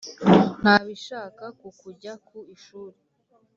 ntabishaka ku kujya ku ishuri